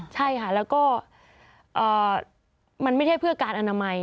ใช่ค่ะแล้วก็มันไม่ใช่เพื่อการอนามัย